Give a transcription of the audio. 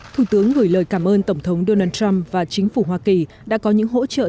thủ tướng gửi lời cảm ơn tổng thống donald trump và chính phủ hoa kỳ đã có những hỗ trợ